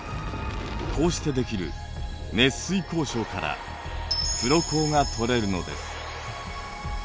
こうしてできる熱水鉱床から黒鉱が取れるのです。